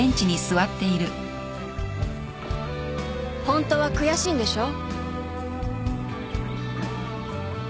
ホントは悔しいんでしょ？